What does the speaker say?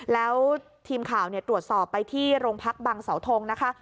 แล้วทีมข่าวตรวจสอบไปที่โรงพักบังเสาทงนะคะ